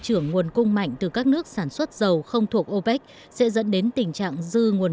trưởng nguồn cung mạnh từ các nước sản xuất dầu không thuộc opec sẽ dẫn đến tình trạng dư nguồn